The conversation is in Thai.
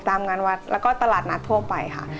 ตามงานวัดแล้วก็ตลาดนัดทั่วไปค่ะ